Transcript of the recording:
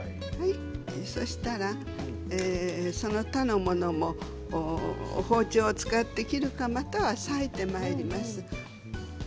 そうしたら、そのほかのものも包丁を使って切るかまたは裂いてまいります。